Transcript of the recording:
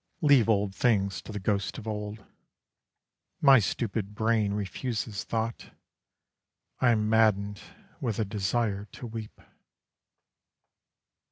Leave old things to the ghosts of old; My stupid brain refuses thought, I am maddened with a desire to weep.